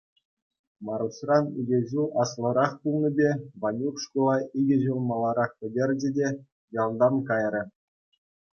Маруҫран икӗ ҫул аслӑрах пулнипе Ванюк шкула икӗ ҫул маларах пӗтерчӗ те ялтан кайрӗ.